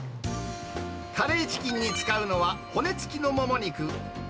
カレーチキンに使うのは、骨付きのもも肉。